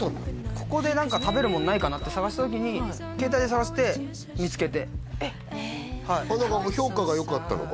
ここで何か食べるもんないかなって探した時に携帯で探して見つけて評価が良かったのかな？